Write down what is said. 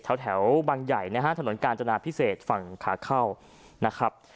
แถวบางใหญ่นะฮะถนนกาญจนาพิเศษฝั่งขาเข้านะครับ